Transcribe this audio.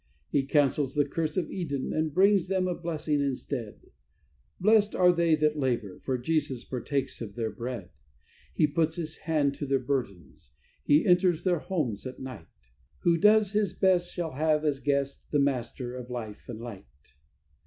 He cancels the curse of Eden, and brings them a blessing instead: Blessed are they that labour, for Jesus partakes of their bread. He puts His hand to their burdens, He enters their homes at night: Who does his best shall have as a guest the Master of life and light.